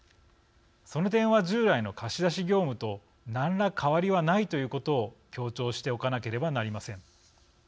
その点は、従来の貸し出し業務と何ら変わりはないということを強調しておかなければなりません。